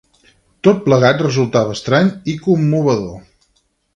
Tot plegat resultava estrany i commovedor.